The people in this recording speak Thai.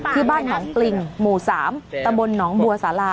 ที่บ้านหนองปริงหมู่๓ตำบลหนองบัวสารา